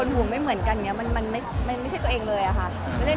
เดียวกับเองจริง